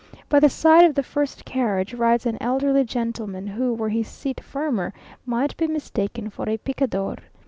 By the side of the first carriage rides an elderly gentleman, who, were his seat firmer, might be mistaken for a picador.